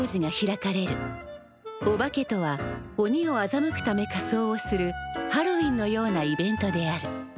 「お化け」とはおにをあざむくため仮装をするハロウィーンのようなイベントである。